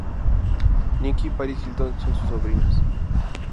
Nicky y Paris Hilton son sus sobrinas.